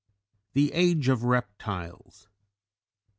THE AGE OF REPTILES.